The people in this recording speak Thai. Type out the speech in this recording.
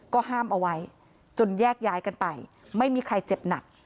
ก็ห้ามเอาไว้จนแยกย้ายกันไปไม่มีใครเจ็บหนัก